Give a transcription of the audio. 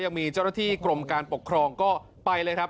ยังมีเจ้าหน้าที่กรมการปกครองก็ไปเลยครับ